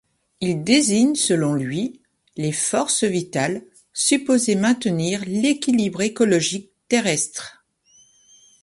Il désigne selon lui les forces vitales supposées maintenir l'équilibre écologique terrestre.